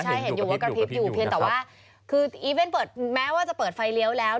ใช่เห็นอยู่ว่ากระพริบอยู่เพียงแต่ว่าคืออีเวนต์เปิดแม้ว่าจะเปิดไฟเลี้ยวแล้ว